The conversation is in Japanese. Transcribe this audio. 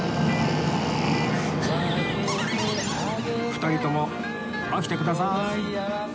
２人とも起きてくださーい